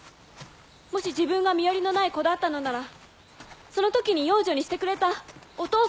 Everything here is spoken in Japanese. もし自分が身寄りのない子だったのならその時に養女にしてくれたお父様